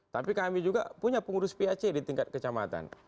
tapi kami juga punya pengurus pac di tingkat kecamatan